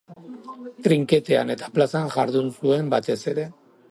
Trinketean eta plazan jardun zuen, batez ere.